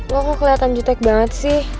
lo kok keliatan jutek banget